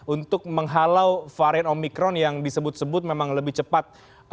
untuk menghalau varian omikron yang disebut sebut memang lebih cepat